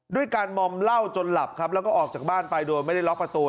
ด้วยการมอมเหล้าจนหลับครับแล้วก็ออกจากบ้านไปโดยไม่ได้ล็อกประตู